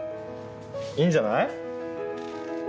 いいんじゃない？